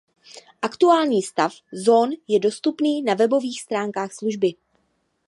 Aktuální stav zón je dostupný na webových stránkách služby.